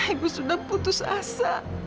ibu sudah putus asa